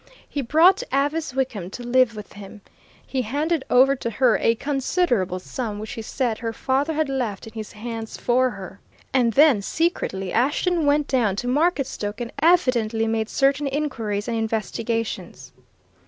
He brought Avice Wickham to live with him. He handed over to her a considerable sum, which, he said, her father had left in his hands for her. And then, secretly, Ashton went down to Marketstoke and evidently made certain inquiries and investigations.